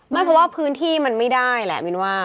ไม่เพราะว่าพื้นที่มันไม่ได้แหละมินว่า